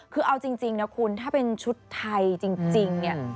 คือเอาจริงนะคุณถ้าเป็นชุดไทยจริงเนี่ย